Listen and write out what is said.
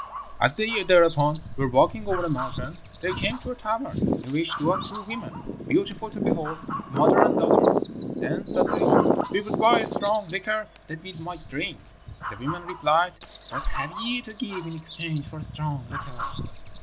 "As they thereupon were walking over a mountain, they came to a tavern, in which dwelt two women, beautiful to behold mother and daughter. Then said they, 'We would buy strong liquor that we might drink.' The women replied, 'What have ye to give in exchange for strong liquor?'